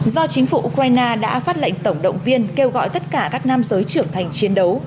do chính phủ ukraine đã phát lệnh tổng động viên kêu gọi tất cả các nam giới trưởng thành chiến đấu